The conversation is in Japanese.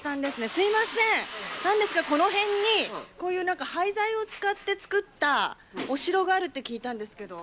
すみません、なんですか、この辺にこういうなんか廃材を使って作ったお城があるって聞いたんですけど。